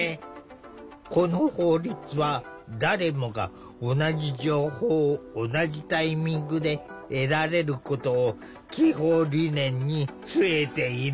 この法律は誰もが同じ情報を同じタイミングで得られることを基本理念に据えている。